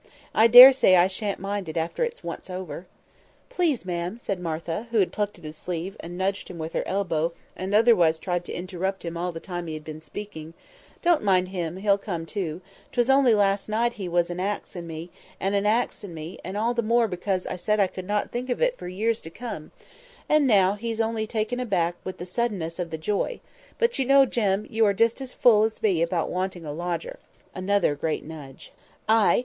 I dare say I shan't mind it after it's once over." "Please, ma'am," said Martha—who had plucked at his sleeve, and nudged him with her elbow, and otherwise tried to interrupt him all the time he had been speaking—"don't mind him, he'll come to; 'twas only last night he was an axing me, and an axing me, and all the more because I said I could not think of it for years to come, and now he's only taken aback with the suddenness of the joy; but you know, Jem, you are just as full as me about wanting a lodger." (Another great nudge.) "Ay!